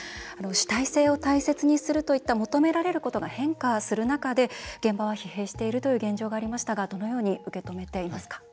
主体性を大切にするといった求められることが変化する中で現場は疲弊しているという現状がありましたがどのように受け止めていますか？